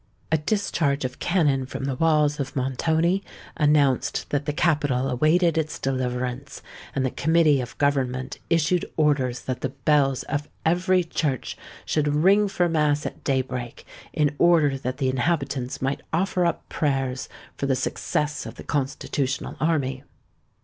A discharge of cannon from the walls of Montoni announced that the capital awaited its deliverance; and the Committee of Government issued orders that the bells of every church should ring for mass at day break, in order that the inhabitants might offer up prayers for the success of the Constitutional Army.